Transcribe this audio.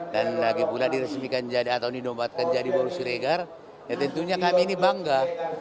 dan lagi pula diresmikan atau dinombatkan jadi borosiregar ya tentunya kami ini bangga